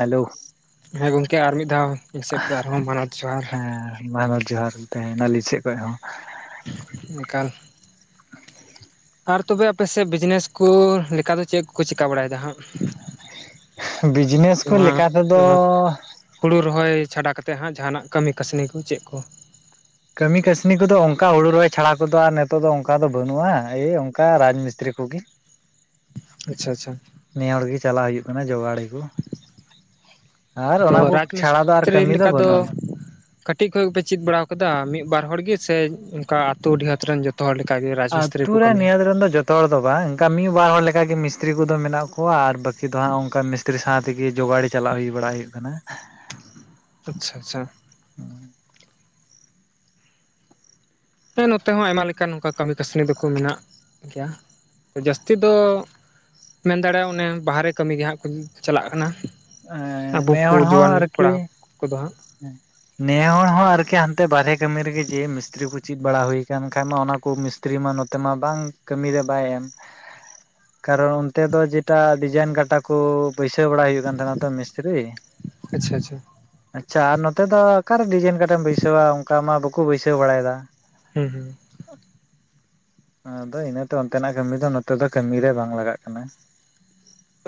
Hello ᱦᱮᱸ ᱜᱚᱝᱠᱮ ᱟᱨ ᱢᱤᱫ ᱫᱷᱟᱣ ᱤᱧ ᱥᱮᱫ ᱠᱷᱚᱱ ᱟᱨᱦᱚᱸ ᱢᱟᱱᱚᱛ ᱡᱚᱦᱟᱨ ᱦᱮᱸ ᱢᱟ ᱡᱚᱦᱟᱨ ᱜᱮ ᱛᱟᱦᱮᱱᱟ ᱟᱹᱞᱤᱧ ᱥᱮᱫ ᱠᱷᱚᱱ ᱦᱚᱸ ᱮᱠᱟᱞ ᱟᱨ ᱛᱚᱵᱮ ᱟᱯᱮ ᱥᱮᱫ ᱵᱤᱡᱽᱱᱮᱥ ᱠᱚ ᱞᱮᱠᱟ ᱫᱚ ᱪᱮᱫ ᱠᱚᱠᱚ ᱪᱤᱠᱟᱹ ᱵᱟᱲᱟᱭᱮᱫᱟ ᱦᱟᱸᱜ? ᱵᱤᱡᱽᱱᱮᱥ ᱠᱚ ᱱᱚᱣᱟ ᱞᱮᱠᱟᱛᱮᱫᱚ ᱱᱚᱣᱟ ᱦᱩᱲᱩ ᱨᱚᱦᱚᱭ ᱪᱷᱟᱰᱟ ᱠᱟᱛᱮᱫ ᱦᱟᱸᱜ ᱡᱟᱦᱟᱱᱟᱜ ᱠᱟᱹᱢᱤ ᱠᱟᱹᱥᱱᱤ ᱠᱚ ᱪᱮᱫ ᱠᱚ ᱠᱟᱹᱢᱤ ᱠᱟᱹᱥᱱᱤ ᱠᱚᱫᱚ ᱚᱱᱠᱟ ᱦᱩᱲᱩ ᱨᱚᱦᱚᱭ ᱪᱷᱟᱲᱟ ᱠᱚᱫᱚ ᱟᱨ ᱱᱤᱛᱚᱜ ᱫᱚ ᱚᱱᱠᱟ ᱫᱚ ᱵᱟᱹᱱᱩᱜᱼᱟ ᱮᱭ ᱚᱱᱠᱟ ᱨᱟᱡᱽ ᱢᱤᱥᱛᱨᱤ ᱠᱚᱜᱮ ᱟᱪᱪᱷᱟ ᱟᱪᱪᱷᱟ ᱱᱤᱭᱟᱹ ᱦᱚᱲ ᱜᱮ ᱪᱟᱞᱟᱜ ᱦᱩᱭᱩᱜ ᱠᱟᱱᱟ ᱡᱚᱜᱟᱲᱤ ᱟᱨ ᱛᱚ ᱚᱱᱟ ᱠᱚ ᱨᱟᱡᱽ ᱪᱷᱟᱲᱟ ᱫᱚ ᱟᱨ ᱢᱤᱥᱛᱨᱤ ᱠᱟᱹᱢᱤ ᱫᱚ ᱞᱮᱠᱟ ᱵᱟᱹᱱᱩᱜᱼᱟ ᱠᱟᱹᱴᱤᱡ ᱠᱷᱚᱱᱚᱡ ᱜᱮᱯᱮ ᱪᱮᱫ ᱵᱟᱲᱟ ᱟᱠᱟᱫᱟ ᱢᱤᱫ ᱵᱟᱨ ᱦᱚᱲ ᱜᱮ ᱥᱮ ᱚᱱᱠᱟ ᱟᱛᱩ ᱰᱤᱦᱟᱹᱛ ᱨᱮᱱ ᱡᱚᱛᱚ ᱡᱚᱛᱚ ᱦᱚᱲ ᱞᱮᱠᱟᱜᱮ ᱨᱟᱡᱽ ᱢᱤᱥᱛᱤᱨᱤ ᱟᱛᱩ ᱠᱚ ᱨᱮ ᱠᱟᱹᱢᱤᱭᱟ ᱱᱤᱭᱟᱹ ᱨᱮᱱ ᱫᱚ ᱡᱚᱛᱚ ᱦᱚᱲ ᱫᱚ ᱵᱟᱝ ᱚᱱᱠᱟ ᱢᱤᱫ ᱵᱟᱨ ᱦᱚᱲ ᱞᱮᱠᱟᱜᱮ ᱢᱤᱥᱛᱨᱤ ᱠᱚᱫᱚ ᱢᱮᱱᱟᱜ ᱠᱚᱣᱟ ᱟᱨ ᱵᱟᱹᱠᱤ ᱫᱚ ᱦᱟᱸᱜ ᱚᱱᱠᱟ ᱢᱤᱥᱼᱼ ᱢᱤᱥᱛᱨᱤ ᱥᱟᱶ ᱛᱮᱜᱮ ᱡᱳᱚᱜᱟᱲᱤ ᱪᱟᱞᱟᱜ ᱦᱩᱭ ᱵᱟᱲᱟ ᱦᱩᱭᱩᱜ ᱠᱟᱱᱟ ᱟᱪᱪᱷᱟ ᱟᱪᱪᱷᱟ ᱦᱚ ᱦᱮᱸ ᱱᱚᱛᱮ ᱦᱚᱸ ᱟᱭᱢᱟ ᱞᱮᱠᱟᱱ ᱠᱟᱹᱢᱤ ᱠᱟᱹᱥᱱᱤ ᱫᱚᱠᱚ ᱢᱮᱱᱟᱜ ᱜᱮᱭᱟ ᱡᱟᱹᱥᱛᱤ ᱫᱚ ᱢᱮᱱ ᱫᱟᱲᱮᱭᱟᱜᱼᱟ ᱚᱱᱮ ᱵᱟᱦᱨᱮ ᱠᱟᱹᱢᱤᱜᱮ ᱦᱟᱸᱜ ᱠᱚ ᱪᱟᱞᱟᱜ ᱠᱟᱱᱟ ᱟᱵᱚ ᱠᱚ ᱡᱩᱣᱟᱹᱱ ᱠᱚᱲᱟ ᱠᱚᱫᱚ ᱦᱟᱸᱜ ᱦᱮᱸ ᱱᱮ ᱦᱚᱲ ᱦᱚᱸ ᱟᱨᱠᱤ ᱦᱟᱱᱛᱮ ᱵᱟᱨᱦᱮ ᱠᱟᱹᱢᱤ ᱨᱮᱜᱮ ᱡᱮ ᱢᱤᱥᱛᱨᱤ ᱠᱚ ᱪᱮᱫ ᱵᱟᱲᱟ ᱦᱩᱭ ᱟᱠᱟᱱ ᱠᱷᱟᱡ ᱢᱟ ᱚᱱᱟ ᱠᱚ ᱢᱤᱥ ᱵᱷᱤᱛᱨᱤ ᱢᱟ ᱱᱚᱛᱮ ᱢᱟ ᱵᱟᱝ ᱠᱟᱹᱢᱤᱨᱮ ᱵᱟᱭ ᱮᱢ ᱠᱟᱨᱚᱱ ᱚᱱᱛᱮ ᱫᱚ ᱡᱮᱴᱟ ᱰᱤᱡᱟᱭᱤᱱ ᱠᱟᱴᱟ ᱠᱚ ᱵᱟᱹᱭᱥᱟᱹᱣ ᱵᱟᱲᱟ ᱦᱩᱭᱩᱜ ᱠᱟᱱ ᱛᱟᱦᱮᱱᱟ ᱛᱚ ᱢᱤᱥᱛᱨᱤ ᱟᱪᱪᱷᱟ ᱟᱪᱪᱷᱟ ᱟᱪᱪᱷᱟ ᱟᱨ ᱱᱚᱛᱮ ᱫᱚ ᱚᱠᱟᱨᱮ ᱰᱤᱡᱟᱭᱤᱱ ᱠᱟᱴᱟᱢ ᱵᱟᱹᱭᱥᱟᱹᱣᱟ ᱚᱱᱠᱟ ᱢᱟ ᱵᱟᱠᱚ ᱵᱟᱹᱭᱥᱟᱹᱣ ᱵᱟᱲᱟᱭᱮᱫᱟ ᱦᱩᱸ ᱦᱩᱸ ᱟᱫᱚ ᱤᱱᱟᱹᱛᱮ ᱚᱱᱛᱮᱱᱟᱜ ᱠᱟᱹᱢᱤ ᱫᱚ ᱱᱚᱛᱮ ᱫᱚ ᱠᱟᱹᱢᱤ ᱨᱮ ᱵᱟᱝ ᱞᱟᱜᱟᱜ ᱠᱟᱱᱟ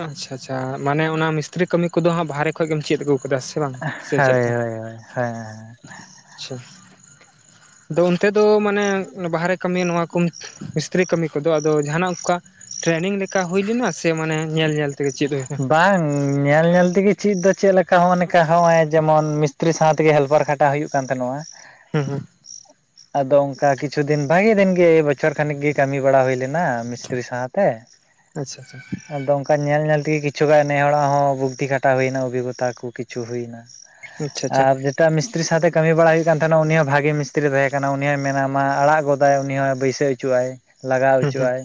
ᱟᱪᱪᱷᱟ ᱟᱪᱪᱷᱟ ᱢᱟᱱᱮ ᱚᱱᱟ ᱢᱤᱥᱛᱨᱤ ᱠᱟᱹᱢᱤ ᱠᱚᱫᱚ ᱦᱟᱸᱜ ᱵᱟᱨᱦᱮ ᱠᱷᱚᱡ ᱜᱮᱢ ᱪᱮᱫ ᱟᱹᱜᱩ ᱟᱠᱟᱫᱟ ᱥᱮ? ᱵᱟᱝ ᱥᱮ ᱦᱳᱭ ᱪᱮᱫ ᱞᱮᱠᱟ ᱦᱳᱭ ᱦᱳᱭ ᱦᱮᱸ ᱦᱮᱸ ᱟᱪᱪᱷᱟ ᱟᱫᱚ ᱚᱱᱛᱮ ᱫᱚ ᱢᱟᱱᱮ ᱵᱟᱦᱨᱮ ᱠᱟᱹᱢᱤ ᱱᱚᱣᱟ ᱠᱚ ᱢᱤᱥᱛᱨᱤ ᱠᱟᱹᱢᱤ ᱠᱚᱫᱚ ᱟᱫᱚ ᱡᱟᱦᱟᱱᱟᱜ ᱚᱱᱠᱟ ᱴᱨᱮᱱᱤᱝ ᱞᱮᱠᱟ ᱦᱩᱭ ᱞᱮᱱᱟ ᱥᱮ ᱢᱟᱱᱮ ᱧᱮᱞ ᱧᱮᱞ ᱛᱮᱜᱮ ᱪᱮᱫ ᱦᱩᱭᱩᱜ ᱵᱟᱝ ᱧᱮᱞ ᱧᱮᱞ ᱛᱮᱜᱮ ᱪᱮᱫ ᱫᱚ ᱪᱮᱫ ᱞᱮᱠᱟ ᱦᱚᱸ ᱚᱱᱮᱠᱟ ᱦᱚᱸᱜᱼᱚᱭ ᱡᱮᱢᱚᱱ ᱢᱤᱥᱛᱨᱤ ᱥᱟᱶ ᱛᱮᱜᱮ ᱦᱮᱞᱯᱟᱨ ᱠᱷᱟᱼᱼ ᱴᱟᱣ ᱦᱩᱭᱩᱜ ᱠᱟᱱ ᱛᱟᱦᱮᱱᱟ᱾ ᱦᱩᱸ ᱦᱩᱸ [inaudible] ᱟᱫᱚ ᱚᱱᱠᱟ ᱠᱤᱪᱷᱩ ᱫᱤᱱ ᱵᱷᱟᱜᱤ ᱫᱤᱱᱜᱮ ᱵᱚᱪᱷᱚᱨ ᱠᱷᱟᱱᱤᱠ ᱜᱮ ᱠᱟᱹᱢᱤ ᱵᱟᱲᱟ ᱦᱩᱭᱞᱮᱱᱟ, ᱢᱤᱥᱛᱨᱤ ᱥᱟᱶᱛᱮ [inaudible] ᱟᱪᱪᱷᱟ, ᱟᱪᱪᱷᱟ ᱟᱫᱚ ᱚᱱᱠᱟ ᱧᱮᱞ ᱧᱮᱞ ᱛᱮᱜᱮ ᱠᱤᱪᱷᱩᱜᱟᱱ ᱱᱮ ᱦᱚᱲᱟᱜ ᱦᱚᱸ ᱵᱩᱫᱫᱷᱤ ᱠᱷᱟᱴᱟ ᱦᱩᱭᱱᱟ ᱚᱵᱷᱤᱜᱚᱛᱟ ᱠᱚ ᱠᱤᱪᱷᱩ ᱦᱩᱭᱮᱱᱟ᱾ ᱟᱪᱪᱷᱟ ᱟᱪᱪᱷᱟ ᱟᱨ ᱮᱴᱟᱜ ᱢᱤᱥᱛᱨᱤ ᱥᱟᱶᱛᱮ ᱠᱟᱹᱢᱤ ᱵᱟᱲᱟ ᱦᱩᱭᱩᱜ ᱠᱟᱱ ᱛᱟᱦᱮᱱᱟ ᱩᱱᱤ ᱦᱚᱸ ᱵᱷᱟᱜᱤ ᱢᱤᱥᱛᱤᱨᱤᱭ ᱛᱟᱦᱮᱸ ᱠᱟᱱᱟ ᱩᱱᱤ ᱦᱚᱸᱭ ᱢᱮᱱᱟ ᱢᱟ ᱟᱲᱟᱜ ᱜᱚᱫᱟᱭ ᱩᱱᱤ ᱦᱚᱸ᱾ ᱵᱟᱹᱭᱥ ᱫᱤᱥ ᱦᱚᱪᱚ ᱟᱭ ᱞᱟᱜᱟᱣ ᱦᱩᱸ ᱦᱚᱪᱚ ᱦᱩᱸ ᱟᱭ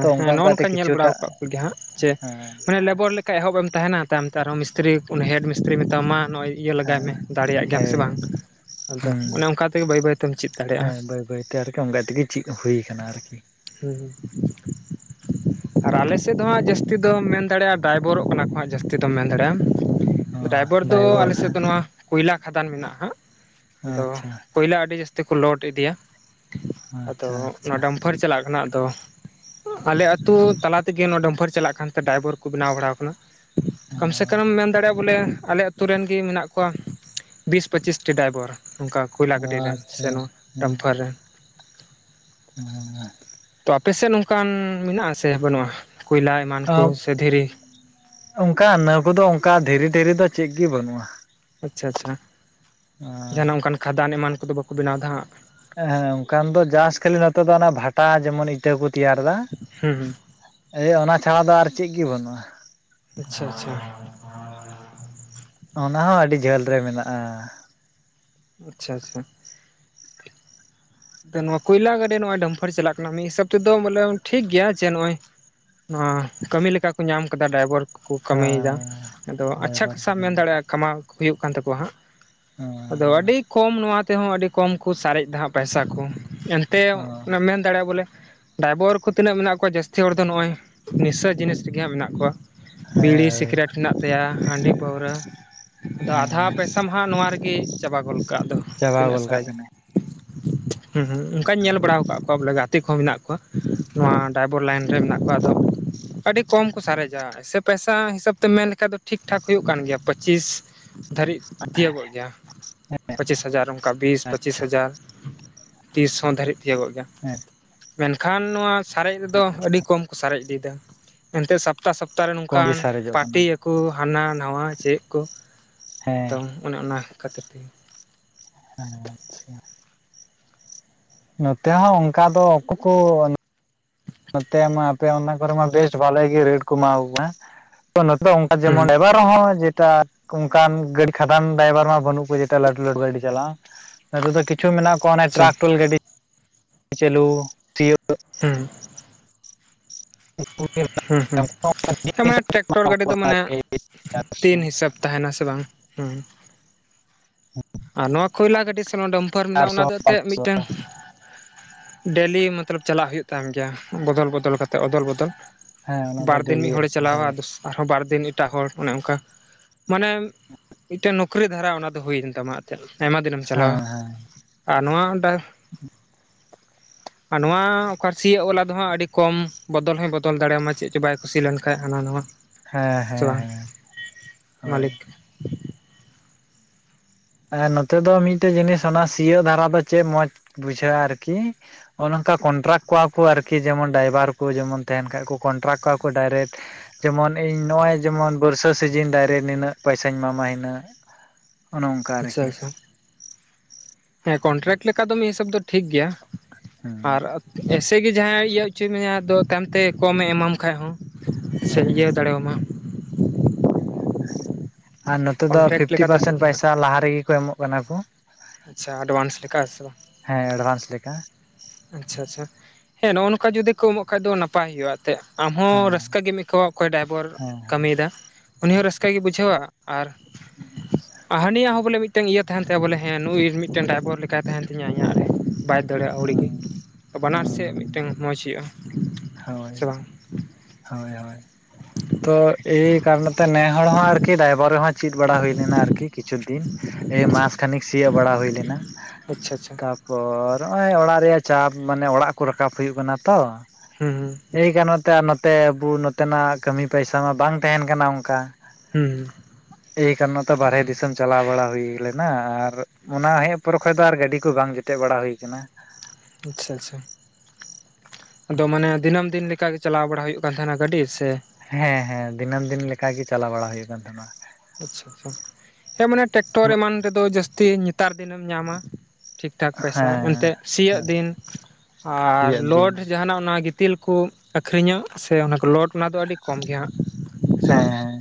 ᱛᱚ ᱚᱱᱠᱟ ᱚᱱᱠᱟ ᱛᱮ ᱠᱤᱪᱷᱩᱴᱟᱜ ᱜᱮ ᱦᱟᱸᱜ ᱪᱮ ᱦᱮᱸ ᱢᱟᱱᱮ ᱞᱮᱵᱚᱨ ᱞᱮᱠᱟ ᱮᱦᱚᱵᱮ ᱮᱢ ᱛᱟᱦᱮᱱᱟ᱾ ᱛᱟᱭᱚᱢ ᱛᱮ ᱟᱨᱦᱚᱸ ᱢᱤᱥᱛᱨᱤ ᱠᱷᱚᱱ ᱦᱮᱰ ᱢᱤᱥᱛᱨᱤ ᱢᱮᱛᱟᱢᱟ ᱱᱚᱜᱼᱚᱭ ᱤᱭᱟᱹ ᱞᱮᱜᱟᱭ ᱢᱮ ᱫᱟᱲᱮᱭᱟᱜ ᱦᱮᱸ ᱜᱮᱭᱟᱢ ᱥᱮ ᱵᱟᱝ ᱦᱮᱸ ᱟᱫᱚ ᱦᱩᱸ ᱚᱱᱮ ᱚᱱᱠᱟ ᱛᱮᱜᱮ ᱵᱟᱹᱭᱼᱵᱟᱹᱭ ᱛᱮᱢ ᱪᱤᱫ ᱫᱟᱲᱮᱭᱟᱜᱼᱟ᱾ ᱦᱮᱸ ᱵᱟᱹᱭ ᱵᱟᱹᱭᱛᱮ ᱟᱨᱠᱤ ᱚᱱᱠᱟ ᱛᱮᱜᱮ ᱪᱮᱫ ᱦᱩᱭ ᱟᱠᱟᱱᱟ ᱟᱨᱠᱤ ᱦᱮᱸᱻ ᱟᱨ ᱟᱞᱮ ᱥᱮᱫ ᱫᱚ ᱦᱟᱸᱜ ᱡᱟᱹᱥᱛᱤ ᱫᱚᱢ ᱢᱮᱱ ᱫᱟᱲᱮᱭᱟᱜᱼᱟ ᱰᱟᱭᱵᱚᱨᱚᱜ ᱠᱟᱱᱟ ᱠᱚ ᱦᱟᱸᱜ ᱡᱟᱹᱥᱛᱤ ᱫᱚᱢ ᱢᱮᱱ ᱫᱟᱲᱮᱭᱟᱜ ᱟᱢ ᱚ ᱰᱟᱭᱵᱚᱨ ᱫᱚ ᱟᱞᱮ ᱥᱮᱫ ᱫᱚ ᱱᱚᱣᱟ ᱠᱚᱭᱞᱟ ᱠᱷᱟᱫᱟᱱ ᱢᱮᱱᱟᱜᱼᱟ ᱦᱟᱸᱜ ᱟᱫᱚ ᱟᱪᱪᱷᱟ ᱠᱚᱭᱞᱟ ᱟᱹᱰᱤ ᱡᱟᱹᱥᱛᱤ ᱠᱚ ᱞᱚᱰ ᱤᱫᱤᱭᱟ᱾ ᱟᱫᱚ ᱟᱪᱪᱷᱟ ᱟᱪᱪᱷᱟ ᱱᱚᱣᱟ ᱰᱟᱢᱯᱷᱟᱨ ᱪᱟᱞᱟᱜ ᱠᱟᱱᱟ᱾ ᱟᱫᱚ ᱟᱞᱮ ᱟᱹᱛᱩ ᱛᱟᱞᱟ ᱛᱮᱜᱮ ᱱᱚᱣᱟ ᱰᱟᱹᱢᱯᱷᱟᱹᱨ ᱪᱟᱞᱟᱜ ᱠᱟᱱᱛᱮ ᱰᱟᱭᱵᱚᱨ ᱠᱚ ᱵᱮᱱᱟᱣ ᱵᱟᱲᱟᱣ ᱟᱠᱟᱱᱟ᱾ ᱠᱚᱢ ᱥᱮ ᱦᱮᱸ ᱠᱚᱢᱮᱢ ᱢᱮᱱ ᱫᱟᱲᱮᱭᱟᱜᱼᱟ᱾ ᱵᱚᱞᱮ ᱟᱞᱮ ᱟᱹᱛ ᱟᱹᱛᱩ ᱨᱮᱱ ᱜᱮ ᱢᱮᱱᱟᱜ ᱠᱚᱣᱟ ᱵᱤᱥ ᱯᱟᱹᱪᱤᱥ ᱴᱤ ᱰᱟᱭᱵᱚᱨ ᱱᱚᱝᱠᱟ ᱠᱚᱭᱞᱟ ᱜᱟᱹᱰᱤ ᱨᱮᱱ ᱥᱮ ᱟᱪᱪᱷᱟ ᱱᱚᱣᱟ ᱦᱮᱸ ᱰᱟᱢᱯᱷᱟᱨ ᱨᱮᱱ [inaudible] ᱛᱚ ᱟᱯᱮᱥᱮᱫ ᱱᱚᱝᱠᱟᱱ ᱢᱮᱱᱟᱜ ᱥᱮ ᱵᱟᱹᱱᱩᱜᱼᱟ᱾ ᱠᱚᱭᱞᱟ ᱮᱢᱟᱱ ᱠᱚ ᱥᱮ ᱫᱷᱤᱨᱤ? ᱚᱱᱠᱟ ᱤᱱᱟᱹ ᱠᱚᱫᱚ ᱚᱱᱠᱟ ᱫᱷᱤᱨᱤᱼᱫᱷᱤᱨᱤ ᱫᱚ ᱪᱮᱫ ᱜᱤ ᱵᱟᱹᱱᱩᱜᱼᱟ᱾ ᱟᱪᱪᱷᱟ ᱟᱪᱪᱷᱟ, ᱡᱟᱦᱟᱱᱟᱜ ᱚᱱᱠᱟᱱ ᱠᱷᱟᱫᱟᱱ ᱮᱢᱟᱱ ᱠᱚᱫᱚ ᱵᱟᱠᱚ ᱵᱮᱱᱟᱣ ᱫᱟ ᱦᱟᱸᱜ ᱟᱸ ᱚᱱᱠᱟᱱ ᱫᱚ ᱡᱟᱥ ᱠᱷᱟᱹᱞᱤ ᱱᱚᱛᱮ ᱫᱚ ᱚᱱᱮ ᱵᱷᱟᱴᱟ ᱡᱮᱢᱚᱱ ᱤᱴᱟᱹ ᱠᱚ ᱛᱮᱭᱟᱨ ᱫᱟ ᱦᱩᱸ ᱮᱭ ᱚᱱᱟ ᱪᱷᱟᱲᱟ ᱫᱚ ᱟᱨ ᱪᱮᱫ ᱜᱮ ᱵᱟᱹᱱᱩᱜᱼᱟ᱾ ᱟᱪᱪᱷᱟ, ᱟᱪᱪᱷᱟ ᱚᱱᱟ ᱦᱚᱸ ᱟᱹᱰᱤ ᱡᱷᱟᱹᱞ ᱨᱮ ᱢᱮᱱᱟᱜᱼᱟ᱾ ᱟᱪᱪᱷᱟ, ᱟᱪᱪᱷᱟ ᱛᱚ ᱱᱚᱣᱟ ᱠᱚᱭᱞᱟ ᱜᱟᱹᱰᱤ ᱱᱚᱜᱚᱭ ᱰᱟᱢᱯᱷᱟᱨ ᱪᱟᱞᱟᱜ ᱠᱟᱱᱟ᱾ ᱢᱤᱫ ᱦᱤᱥᱟᱹᱵᱽ ᱛᱮᱫᱚ ᱵᱚᱞᱮ ᱴᱷᱤᱠ ᱜᱮᱭᱟ ᱡᱮ ᱱᱚᱜᱼᱚᱭ ᱱᱚᱣᱟ ᱠᱟᱹᱢᱤ ᱞᱮᱠᱟ ᱠᱚ ᱧᱟᱢ ᱟᱠᱟᱫᱟ ᱰᱟᱭᱵᱚᱨ ᱠᱚᱠᱚ ᱠᱟᱹᱢᱤᱭᱮᱫᱟ ᱦᱮᱸ ᱟᱫᱚ ᱟᱪᱪᱷᱟ ᱰᱟᱭᱵᱷᱟᱨ ᱠᱷᱟᱥᱟ ᱚ ᱢᱮᱱ ᱫᱟᱲᱮᱭᱟᱜᱼᱟ᱾ ᱠᱟᱢᱟᱣ ᱦᱩᱭᱩᱜ ᱠᱟᱱ ᱛᱟᱠᱚᱣᱟ ᱦᱟᱸᱜ ᱦᱮᱸᱻ ᱛᱚ ᱟᱹᱰᱤ ᱠᱚᱢ ᱱᱚᱣᱟ ᱛᱮᱦᱚᱸ ᱟᱹᱰᱤ ᱠᱚᱢ ᱠᱚ ᱥᱟᱨᱮᱡ ᱫᱟ ᱦᱟᱸᱜ ᱯᱟᱭᱥᱟ ᱠᱚ ᱮᱱᱛᱮᱣ ᱚᱱᱮᱢ ᱢᱮᱱ ᱫᱟᱲᱮᱭᱟᱜᱼᱟ᱾ ᱵᱚᱞᱮ ᱰᱟᱭᱵᱚᱨ ᱠᱚ ᱛᱤᱱᱟᱹᱜ ᱢᱮᱱᱟᱜ ᱠᱚᱣᱟ ᱡᱟᱹᱥᱛᱤ ᱦᱚᱲ ᱫᱚ ᱱᱚᱜᱼᱚᱭ ᱱᱤᱥᱟᱹ ᱡᱤᱱᱤᱥ ᱨᱮᱜᱮ ᱦᱟᱸᱜ ᱢᱮᱱᱟᱜ ᱠᱚᱣᱟ᱾ ᱦᱮᱸ ᱵᱤᱲᱤ ᱦᱳᱭ ᱥᱤᱠᱨᱮᱴ ᱦᱮᱱᱟᱜ ᱛᱟᱭᱟ ᱦᱟᱺᱰᱤ ᱯᱟᱹᱣᱨᱟᱹ ᱟᱫᱚ ᱟᱫᱷᱟ ᱦᱮᱸ ᱯᱟᱭᱥᱟ ᱢᱟ ᱦᱟᱸᱜ ᱱᱚᱣᱟ ᱨᱮᱜᱮ ᱪᱟᱵᱟ ᱜᱚᱞ ᱠᱟᱜ ᱫᱚ ᱪᱟᱵᱟ ᱛᱤᱱᱟᱹᱜ ᱮ ᱜᱚᱫ ᱠᱟᱜ ᱥᱟᱨᱮᱡᱟ ᱠᱟᱱᱟᱭ ᱦᱩᱸ ᱦᱩᱸ ᱚᱱᱠᱟᱧ ᱧᱮᱞ ᱵᱟᱲᱟᱣ ᱟᱠᱟᱫ ᱠᱚᱣᱟ ᱵᱚᱞᱮ ᱜᱟ ᱛᱮ ᱢᱮᱱᱟᱜ ᱠᱚᱣᱟ ᱱᱚᱣᱟ ᱰᱟᱭᱵᱚᱨ ᱞᱟᱭᱤᱱ ᱨᱮ ᱢᱮᱱᱟᱜ ᱠᱚᱣᱟ᱾ ᱟᱫᱚ ᱟᱹᱰᱤ ᱠᱚᱢ ᱠᱚ ᱥᱟᱨᱮᱡᱟ ᱥᱮ ᱯᱟᱭᱥᱟ ᱦᱤᱥᱟᱹᱵᱽ ᱛᱮᱢ ᱢᱮᱱ ᱞᱮᱠᱷᱟᱡ ᱫᱚ ᱴᱷᱤᱠ ᱴᱷᱟᱠ ᱦᱩᱭᱩᱜ ᱠᱟᱱ ᱜᱮᱭᱟ᱾ᱯᱟᱪᱤᱥ ᱫᱷᱟᱹᱨᱤᱡ ᱛᱤᱭᱟᱹᱵᱚᱜ ᱜᱮᱭᱟ ᱯᱟᱪᱤᱥ ᱦᱟᱡᱟᱨ ᱚᱱᱠᱟ ᱵᱤᱥ ᱯᱟᱪᱤᱥ ᱟᱪᱪᱷᱟ ᱦᱟᱡᱟᱨ ᱛᱤᱥ ᱦᱚᱸ ᱫᱷᱟᱹᱨᱤᱡ ᱛᱤᱭᱟᱹᱜᱚᱜ ᱜᱮᱭᱟ ᱦᱮᱸ ᱢᱮᱱᱠᱷᱟᱱ ᱱᱚᱣᱟ ᱥᱟᱨᱮᱡᱽ ᱨᱮᱫᱚ ᱟᱹᱰᱤ ᱠᱚᱢ ᱠᱚ ᱥᱟᱨᱮᱡ ᱤᱫᱤᱭᱮᱫᱟ ᱮᱱᱛᱮ ᱥᱟᱯ ᱥᱟᱯᱛᱟᱼᱥᱟᱯᱛᱟ ᱨᱮ ᱠᱚᱢ ᱜᱮ ᱱᱚᱝᱠᱟᱱ ᱥᱟᱨᱮᱡᱚᱜ ᱠᱟᱱᱟ ᱯᱟᱴᱤᱭᱟ ᱠᱚ ᱦᱟᱱᱟ ᱱᱟᱶᱟ ᱪᱮᱫ ᱠᱚ ᱦᱮᱸ ᱮᱠᱫᱚᱢ ᱚᱱᱮ ᱚᱱᱟ ᱠᱷᱟᱹᱛᱤᱨ ᱛᱮᱜᱮ ᱦᱮᱸ ᱟᱪᱪᱷᱟ ᱱᱚᱛᱮ ᱦᱚᱸ ᱚᱱᱠᱟ ᱫᱚ ᱩᱠᱩ ᱠᱚ ᱱᱚᱛᱮ ᱢᱟ ᱟᱯᱮ ᱚᱱᱟ ᱠᱚᱨᱮ ᱢᱟ ᱵᱮᱥ ᱵᱷᱟᱞᱮ ᱜᱮ ᱨᱮᱹᱴ ᱠᱚ ᱮᱢᱟᱣ ᱠᱚ ᱦᱮᱸ ᱛᱚ ᱱᱚᱛᱮ ᱚᱱᱠᱟ ᱦᱩᱸ ᱡᱮᱢᱚᱱ ᱮᱵᱟᱨ ᱦᱚᱸ ᱡᱮᱴᱟ ᱚᱱᱠᱟᱱ ᱜᱟᱹᱰᱤ ᱠᱷᱟᱫᱟᱱ ᱰᱟᱭᱵᱷᱟᱨ ᱢᱟ ᱵᱟᱹᱱᱩᱜ ᱠᱚ ᱡᱮᱴᱟ ᱞᱟᱹᱴᱩᱼᱞᱟᱹᱴᱩ ᱜᱟᱹᱰᱤ ᱪᱟᱞᱟᱣ ᱱᱚᱛᱮ ᱫᱚ ᱠᱤᱪᱷᱩ ᱢᱮᱱᱟᱜ ᱠᱚᱣᱟ ᱚᱱᱮ ᱟᱪᱪᱷᱟ ᱴᱨᱟᱠᱴᱚᱨ ᱜᱟᱹᱰᱤ ᱪᱟᱹᱞᱩ ᱥᱤᱭᱳᱜ ᱦᱩᱸ᱾ [unintelligible] ᱦᱩᱸ ᱦᱩᱸ ᱥᱟᱢᱮ ᱴᱨᱟᱠᱴᱚᱨ ᱜᱟᱹᱰᱤ ᱫᱚ ᱢᱟᱱᱮ ᱫᱤᱱ ᱦᱤᱥᱟᱹᱵ ᱛᱟᱦᱮᱸᱱᱟ ᱥᱮ ᱵᱟᱝ ᱦᱩᱸ। ᱟᱨ ᱱᱚᱣᱟ ᱠᱷᱚᱭᱞᱟ ᱜᱟᱹᱰᱤ ᱥᱮ ᱚᱱᱟ ᱰᱚᱢᱯᱟᱨ ᱢᱮᱱᱟᱜᱼᱟ ᱪᱟᱨᱥᱚ ᱚᱱᱟ ᱫᱚ ᱮᱱᱛᱮᱜ ᱯᱟᱸᱪᱥᱚ ᱢᱤᱫᱴᱟᱹᱝ ᱰᱮᱞᱤ ᱢᱚᱛᱞᱚᱵ ᱪᱟᱞᱟᱜ ᱦᱩᱭᱩᱜ ᱛᱟᱦᱮᱸ ᱜᱮᱭᱟ ᱵᱚᱫᱚᱞ ᱵᱚᱫᱚᱞ ᱠᱟᱛᱮ ᱚᱫᱚᱞ ᱵᱚᱫᱚᱞ ᱦᱮᱸ ᱚᱱᱟ ᱫᱚ ᱵᱟᱨᱫᱤᱱ ᱰᱮᱞᱤ ᱢᱤᱫ ᱦᱚᱲᱮ ᱟᱨᱠᱤ ᱪᱟᱞᱟᱣᱟ ᱦᱳᱭ ᱟᱨᱦᱚᱸ ᱵᱟᱨ ᱫᱤᱱ ᱮᱴᱟᱜ ᱦᱚᱲ ᱚᱱᱮ ᱚᱝᱠᱟ ᱢᱟᱱᱮ ᱢᱤᱫᱴᱮᱱ ᱱᱚᱩᱠᱨᱤ ᱫᱷᱟᱨᱟ ᱚᱱᱟ ᱫᱚ ᱦᱩᱭᱮᱱ ᱛᱟᱢᱟ᱾ ᱛᱮᱡ ᱟᱭᱢᱟ ᱫᱤᱱᱮᱢ ᱪᱟᱞᱟᱣᱟ ᱦᱮᱸ ᱦᱮᱸ ᱟᱨ ᱱᱚᱣᱟ ᱚᱸᱰᱮ ᱟᱨ ᱱᱚᱣᱟ ᱚᱠᱟ ᱨᱮ ᱥᱤᱭᱟᱹᱜ ᱚᱞ ᱟᱫᱚ ᱦᱟᱸᱜ ᱟᱹᱰᱤ ᱠᱚᱢ ᱵᱚᱫᱚᱞ ᱦᱚᱭ ᱵᱚᱫᱚᱞ ᱫᱟᱲᱮᱟᱢᱟ ᱪᱮᱜ ᱪᱚ ᱵᱟᱭ ᱠᱩᱥᱤ ᱞᱮᱱᱠᱷᱟᱡ ᱦᱟᱱᱟᱸ ᱱᱟᱣᱟ। ᱦᱮᱸ ᱥᱮ ᱦᱮᱸ ᱵᱟᱝ ᱦᱮᱸ ᱦᱳᱭ᱾ ᱢᱟᱹᱞᱤᱠ ᱱᱚᱛᱮ ᱫᱚ ᱢᱤᱫᱴᱮᱡ ᱡᱤᱱᱤᱥ ᱚᱱᱟ ᱥᱤᱭᱳᱜ ᱫᱷᱟᱨᱟ ᱫᱚ ᱪᱮᱫ ᱢᱚᱸᱡᱽ ᱵᱩᱡᱷᱟᱹᱜᱼᱟ ᱟᱨᱠᱤ। ᱚᱱᱮ ᱚᱝᱠᱟ ᱠᱚᱱᱴᱨᱟᱠᱴ ᱠᱚᱣᱟ ᱠᱚ ᱟᱨᱠᱤ ᱡᱮᱢᱚᱱ ᱰᱟᱭᱵᱷᱟᱨ ᱠᱚ ᱡᱮᱢᱚᱱ ᱛᱟᱦᱮᱸᱱ ᱠᱷᱟᱡ ᱠᱚ ᱠᱚᱱᱴᱨᱟᱠᱴ ᱠᱚᱣᱟ ᱠᱚ ᱰᱟᱭᱨᱮᱠᱴ। ᱡᱮᱢᱚᱱ ᱤᱧ ᱱᱚᱜᱼᱚᱭ ᱡᱮᱢᱚᱱ ᱵᱟᱹᱨᱥᱟ ᱥᱤᱡᱤᱱ ᱫᱟᱭᱨᱮᱴ ᱱᱤᱱᱟᱹᱜ ᱯᱚᱭᱥᱟᱧ ᱮᱢᱟᱢᱟ ᱦᱤᱱᱟᱹᱜ ᱚᱱᱚ ᱟᱪᱪᱷᱟ ᱪᱷᱟ ᱦᱮᱸ ᱠᱚᱱᱴᱨᱟᱠᱴ ᱞᱮᱠᱟ ᱫᱚ ᱢᱤᱫ ᱦᱤᱥᱟᱹᱵ ᱫᱚ ᱴᱷᱤᱠ ᱜᱮᱭᱟ ᱟᱨ ᱦᱮᱸ ᱮᱥ ᱛᱮᱜᱮ ᱡᱟᱦᱟᱸᱭ ᱤᱭᱟᱹ ᱚᱪᱚᱭ ᱢᱮᱭᱟ ᱟᱫᱚ ᱛᱟᱭᱚᱢᱛᱮ ᱠᱚᱢᱮ ᱮᱢᱟᱢ ᱠᱷᱟᱡ ᱦᱚᱸ ᱥᱮ ᱤᱭᱟᱹ ᱫᱟᱲᱮᱭᱢᱟ᱾ ᱦᱮᱸ ᱟᱨ ᱱᱚᱛᱮ ᱫᱚ ᱠᱚᱱᱴᱨᱟᱠᱴ ᱯᱷᱤᱯᱴᱤ ᱞᱮᱠᱟ ᱫᱚ ᱴᱷᱤᱠ ᱯᱟᱨᱥᱮᱱ ᱜᱮ ᱦᱟᱸᱜ ᱯᱚᱭᱥᱟ ᱞᱟᱦᱟ ᱨᱮᱜᱮ ᱠᱚ ᱮᱢᱚᱜ ᱠᱟᱱᱟ ᱠᱚ᱾ ᱟᱪᱪᱷᱟ ᱮᱰᱵᱷᱟᱱᱥ ᱞᱮᱠᱟ ᱦᱮᱸᱥᱮ ᱵᱟᱝ? ᱦᱮᱸ ᱮᱰᱵᱷᱟᱱᱥ ᱞᱮᱠᱟ᱾ ᱟᱪᱪᱷᱟ ᱪᱷᱟ, ᱦᱮᱸ ᱱᱚᱜᱼᱚ ᱱᱚᱝᱠᱟ ᱡᱩᱫᱤ ᱠᱚ ᱮᱢᱚᱜ ᱠᱷᱟᱱ ᱫᱚ ᱱᱟᱯᱟᱭ ᱦᱩᱭᱩᱜᱼᱟ ᱮᱱᱛᱮᱫ᱾ ᱟᱢ ᱦᱚᱸ ᱦᱮᱸ ᱨᱟᱹᱥᱠᱟᱹ ᱜᱮᱢ ᱟᱹᱭᱠᱟᱹᱣᱟ ᱚᱠᱚᱭ ᱰᱟᱭᱵᱚᱨ ᱦᱮᱸ ᱠᱟᱹᱢᱤᱭᱫᱟ ᱩᱱᱤ ᱦᱚᱸ ᱨᱟᱹᱥᱠᱟᱹ ᱮ ᱵᱩᱡᱷᱟᱹᱣᱟ ᱟᱨ ᱦᱩᱸ ᱟᱪᱪᱷᱟ᱾ ᱦᱟᱹᱱᱤᱭᱟ ᱦᱚᱸ ᱵᱚᱞᱮ ᱢᱤᱫᱴᱟᱝ ᱤᱭᱟᱹ ᱛᱟᱦᱮᱸᱱ ᱛᱟᱭᱟ ᱵᱚᱞᱮ ᱦᱮᱸ ᱱᱩᱭ ᱢᱤᱫᱴᱮᱱ ᱰᱟᱭᱵᱷᱚᱨ ᱞᱮᱠᱟᱭ ᱛᱟᱦᱮᱸᱱ ᱛᱤᱧᱟᱹ ᱤᱧᱟᱹᱜ ᱨᱮ᱾ ᱵᱟᱭ ᱫᱟᱲᱮᱭᱟᱜᱼᱟ ᱟᱹᱣᱲᱤᱜ ᱦᱮᱸ ᱜᱮ ᱵᱟᱱᱟᱨ ᱥᱮᱫ ᱦᱮᱸ ᱢᱤᱫᱴᱟᱝ ᱢᱚᱡ ᱦᱩᱭᱩᱜᱼᱟ ᱦᱳᱭ ᱥᱮ ᱵᱟᱝ? ᱦᱳᱭ ᱦᱳᱭ᱾ ᱛᱚ ᱮᱭ ᱠᱟᱨᱚᱱ ᱛᱮ ᱱᱮ ᱦᱚᱲ ᱦᱚᱸ ᱟᱨᱠᱤ ᱰᱟᱭᱵᱷᱟᱨ ᱨᱮᱦᱚᱸ ᱪᱮᱫ ᱵᱟᱲᱟ ᱦᱩᱭ ᱞᱮᱱᱟ ᱟᱨᱠᱤ ᱠᱤᱪᱷᱩ ᱫᱤᱱ᱾ ᱮ ᱟᱪᱪᱷᱟ ᱢᱟᱥ ᱠᱷᱟᱱᱤᱠ ᱥᱤᱭᱚᱜ ᱵᱟᱲᱟ ᱦᱩᱭ ᱞᱮᱱᱟ᱾ ᱟᱪᱪᱷᱟ ᱪᱷᱟ᱾ ᱛᱟᱯᱚᱨ ᱱᱚᱜᱼᱚᱭ ᱚᱲᱟᱜ ᱨᱮᱭᱟᱜ ᱪᱟᱯ ᱢᱟᱱᱮ ᱚᱲᱟᱜ ᱠᱚ ᱨᱟᱠᱟᱵ ᱦᱩᱭᱩᱜ ᱠᱟᱱᱟ ᱛᱚ, ᱦᱮᱸ ᱦᱩᱸ᱾ ᱮᱭ ᱠᱟᱨᱚᱱ ᱛᱮ ᱟᱨ ᱱᱚᱛᱮ ᱟᱵᱚ ᱱᱚᱛᱮᱱᱟᱜ ᱠᱟᱹᱢᱤ ᱯᱟᱭᱥᱟ ᱢᱟ ᱵᱟᱝ ᱛᱟᱦᱮᱸᱱ ᱠᱟᱱᱟ ᱚᱝᱠᱟ᱾ ᱦᱩᱸᱦᱩᱸ᱾ ᱮᱭ ᱠᱟᱨᱚ ᱱᱚᱛᱮ ᱵᱟᱨᱦᱮ ᱫᱤᱥᱚᱢ ᱪᱟᱞᱟᱣ ᱵᱟᱲᱟ ᱦᱩᱭ ᱞᱮᱱᱟ, ᱟᱨ ᱚᱱᱟ ᱦᱮᱡ ᱯᱚᱨᱮ ᱠᱷᱚᱱᱚᱡ ᱫᱚ ᱟᱨ ᱜᱟᱹᱰᱤ ᱠᱚ ᱵᱟᱝ ᱡᱮᱴᱮᱫ ᱵᱟᱲᱟ ᱦᱩᱭ ᱠᱟᱱᱟ᱾ ᱟᱪᱪᱷᱟ ᱟᱪᱪᱷᱟ᱾ ᱟᱫᱚ ᱢᱟᱱᱮ ᱫᱤᱱᱟᱹᱢ ᱫᱤᱱ ᱞᱮᱠᱟᱜᱮ ᱪᱟᱞᱟᱣ ᱵᱟᱲᱟ ᱦᱩᱭᱩᱜ ᱠᱟᱱ ᱛᱟᱦᱮᱸᱱᱟ ᱜᱟᱹᱰᱤ? ᱥᱮ ᱦᱮᱸ ᱦᱮᱸ ᱫᱤᱱᱟᱹᱢ ᱫᱤᱱ ᱞᱮᱠᱟ ᱜᱮ ᱪᱟᱞᱟᱣ ᱵᱟᱲᱟ ᱦᱩᱭᱩᱜ ᱠᱟᱱ ᱛᱟᱦᱮᱸᱱᱟ᱾ ᱟᱪᱪᱷᱟ ᱟᱪᱪᱷᱟ ᱦᱮᱸ ᱢᱟᱱᱮ ᱴᱨᱟᱠᱴᱚᱨ ᱮᱢᱟᱱ ᱨᱮᱫᱚ ᱡᱟᱹᱥᱛᱤ ᱱᱮᱛᱟᱨ ᱫᱤᱱᱮᱢ ᱧᱟᱢᱟ᱾ ᱴᱷᱤᱠ ᱴᱷᱟᱠ ᱯᱚᱭᱥᱟ ᱦᱮᱸ ᱮᱱᱛᱮᱜ ᱥᱤᱭᱳᱜ ᱦᱮᱸ ᱫᱤᱱ᱾ ᱟᱨ ᱥᱤᱭᱳᱜ ᱫᱤᱱ ᱞᱚᱰ ᱡᱟᱦᱟᱸ ᱱᱟᱜ ᱚᱱᱟ ᱜᱤᱛᱤᱞ ᱠᱩ ᱟᱹᱠᱷᱨᱤᱧᱟ ᱥᱮ ᱚᱱᱟᱠᱚ ᱞᱚᱰ ᱚᱱᱟ ᱫᱚ ᱟᱹᱰᱤ ᱠᱚᱢ ᱜᱮᱭᱟ ᱦᱟᱸᱜ᱾ ᱥᱮ ᱵᱟᱝ ᱦᱮᱸ ᱦᱮᱸ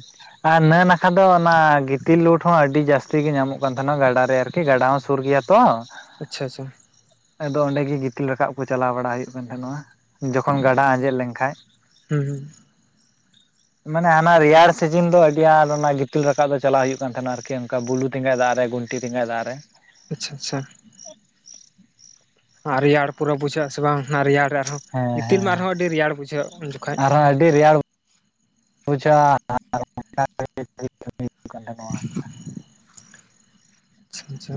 ᱟᱨ ᱱᱟᱹ ᱱᱟᱠᱷᱟ ᱫᱚ ᱚᱱᱟ ᱜᱤᱛᱤᱞ ᱞᱳᱰ ᱦᱚᱸ ᱟᱹᱰᱤ ᱡᱟᱹᱥᱛᱤ ᱜᱮ ᱧᱟᱢᱚᱜ ᱠᱟᱱ ᱛᱟᱦᱮᱱᱟ ᱜᱟᱰᱟ ᱨᱮ ᱟᱨ ᱠᱤ ᱜᱟᱰᱟ ᱦᱚᱸ ᱥᱩᱨ ᱜᱮᱭᱟ ᱛᱚ᱾ ᱟᱪᱪᱷᱟ ᱟᱪᱪᱷᱟ ᱟᱫᱚ ᱚᱸᱰᱮ ᱜᱮ ᱜᱤᱛᱤᱞ ᱨᱟᱠᱟᱵ ᱠᱚ ᱪᱟᱞᱟᱣ ᱵᱟᱲᱟ ᱦᱩᱭᱩᱜ ᱠᱟᱱ ᱛᱟᱦᱱᱚᱜᱼᱟ, ᱡᱚᱠᱷᱚᱱ ᱜᱟᱰᱟ ᱟᱸᱡᱮᱫ ᱞᱮᱱᱠᱷᱟᱡ᱾ ᱦᱩᱸ ᱦᱩᱸ ᱢᱟᱱᱮ ᱦᱟᱱᱟ ᱨᱮᱭᱟᱲ ᱥᱤᱡᱤᱱ ᱫᱚ ᱟᱹᱰᱤ ᱟᱴ ᱚᱱᱟ ᱜᱤᱛᱤᱞ ᱨᱟᱠᱟᱵ ᱫᱚ ᱪᱟᱞᱟᱜ ᱦᱩᱭᱩᱜ ᱠᱟᱱ ᱛᱟᱦᱮᱸᱱᱟ ᱟᱨᱠᱤ, ᱚᱱᱠᱟ ᱵᱩᱞᱩ ᱛᱮᱸᱜᱚᱡ ᱫᱟᱜ ᱨᱮ ᱜᱩᱱ ᱴᱤ ᱴᱤᱸᱜᱟ ᱫᱟᱜ ᱨᱮ᱾ ᱟᱪᱪᱷᱟ ᱟᱪᱪᱷᱟ ᱟᱨ ᱨᱮᱭᱟᱲ ᱯᱩᱨᱟᱹ ᱵᱩᱡᱷᱟᱹᱜᱼᱟ ᱥᱮ ᱵᱟᱝ ᱚᱱᱟ ᱨᱮᱭᱟᱲ ᱟᱨᱦᱚᱸ ᱦᱮᱸ ᱜᱤᱛᱤᱞ ᱦᱮᱸ ᱢᱟ ᱟᱨᱦᱚᱸ ᱟᱹᱰᱤ ᱨᱮᱭᱟᱲ ᱵᱩᱡᱷᱟᱹᱜ ᱩᱱ ᱡᱚᱠᱷᱚᱡ᱾ ᱟᱹᱰᱤ ᱨᱮᱭᱟᱲ ᱵᱩᱡᱷᱟᱹᱣᱼᱟ [unintelligible] ᱠᱟᱱ ᱛᱟᱦᱱᱚᱜᱼᱟ᱾ [inaudible] ᱪᱷᱟ ᱟᱪᱪᱷᱟ